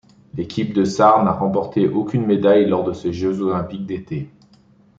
L'équipe de Sarre n'a remporté aucune médaille lors de ces Jeux olympiques d'été.